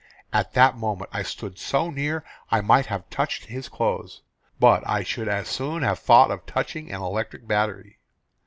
At that moment I stood so near I might have touched his clothes; but I should as soon have thought of touching an electric battery.